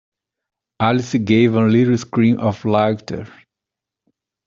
Alice gave a little scream of laughter.